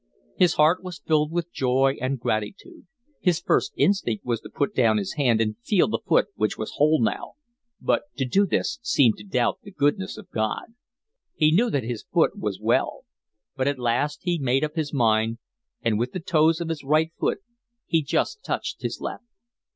His heart was filled with joy and gratitude. His first instinct was to put down his hand and feel the foot which was whole now, but to do this seemed to doubt the goodness of God. He knew that his foot was well. But at last he made up his mind, and with the toes of his right foot he just touched his left.